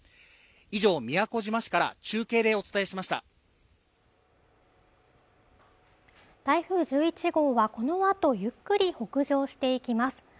以上宮古島市から中継でお伝えしました台風１１号はこのあとゆっくり北上していきます